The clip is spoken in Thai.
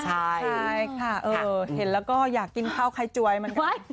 ใช่ค่ะเห็นแล้วก็อยากกินข้าวไข่จวยเหมือนกัน